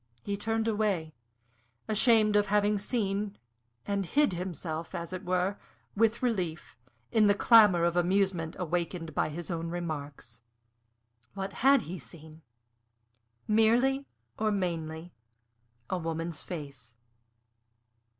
He turned away, ashamed of having seen, and hid himself, as it were, with relief, in the clamor of amusement awakened by his own remarks. What had he seen? Merely, or mainly, a woman's face.